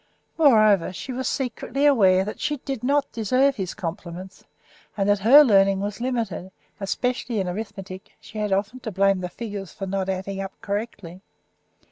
Moreover, she was secretly aware that she did not deserve his compliments, and that her learning was limited, especially in arithmetic; she had often to blame the figures for not adding up correctly.